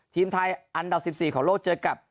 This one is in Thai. ทีมไทยอันดับ๑๔ของโลกเจอกับ